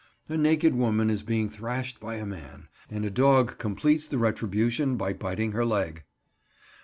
A naked woman is being thrashed by a man, and a dog completes the retribution by biting her leg.